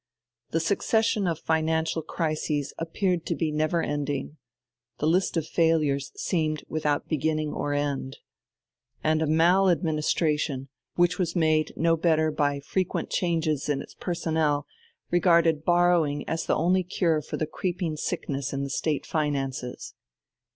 The succession of financial crises appeared to be never ending. The list of failures seemed without beginning or end. And a maladministration, which was made no better by frequent changes in its personnel, regarded borrowing as the only cure for the creeping sickness in the State finances.